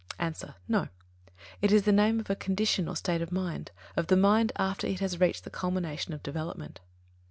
_ A. No. It is the name of a condition or state of mind, of the mind after it has reached the culmination of development.